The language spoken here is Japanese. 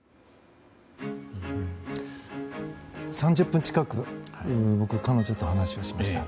３０分近く僕、彼女と話をしました。